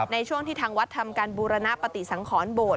ในช่วงที่ทางวัดทำการบูรณปฏิสังขรโบสถ